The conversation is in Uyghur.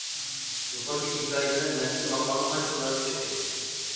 يۇقىرىدىكى ھېكايە بىلەن مەزكۇر ماقالىنىڭ ئانچە مۇناسىۋىتى يوق ئىدى.